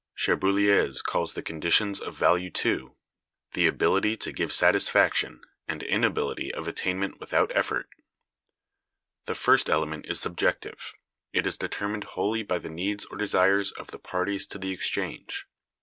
Cherbuliez(204) calls the conditions of value two, "the ability to give satisfaction, and inability of attainment without effort. The first element is subjective; it is determined wholly by the needs or desires of the parties to the exchange.